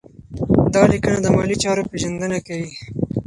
دا لیکنه د مالي چارو پیژندنه کوي.